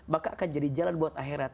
maka akan jadi jalan buat akhirat